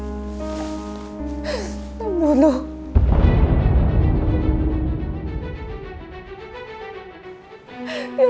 ya suami aku